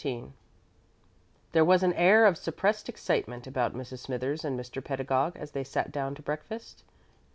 XIII There was an air of suppressed excitement about Mrs. Smithers and Mr. Pedagog as they sat down to breakfast.